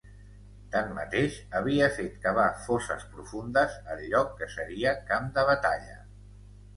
Tanmateix, havia fet cavar fosses profundes al lloc que seria camp de batalla.